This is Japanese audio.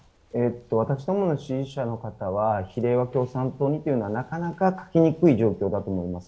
私どもの支持者の方は比例は共産党にというのはなかなか書きにくい状況だと思います。